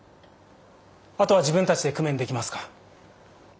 あとは自分たちで工面できますか？